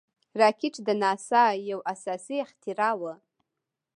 راکټ د ناسا یو اساسي اختراع وه